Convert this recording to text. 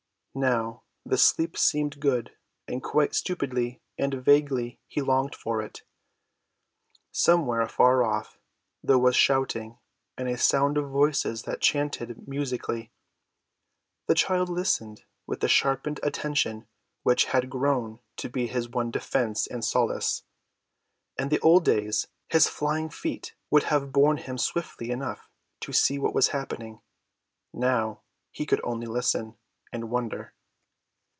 Now the sleep seemed good, and quite stupidly and vaguely he longed for it. Somewhere, afar off, there was shouting and a sound of voices that chanted musically. The child listened with the sharpened attention which had grown to be his one defence and solace. In the old days his flying feet would have borne him swiftly enough to see what was happening. Now he could only listen, and wonder.